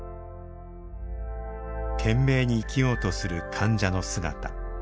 懸命に生きようとする患者の姿。